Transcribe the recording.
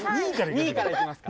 ２位からいきますか。